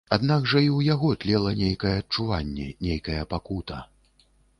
Аднак жа і ў яго тлела нейкае адчуванне, нейкая пакута.